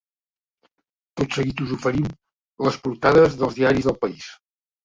Tot seguit us oferim les portades dels diaris del país.